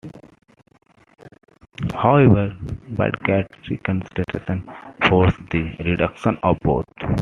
However, budgetary constraints forced the reduction of both.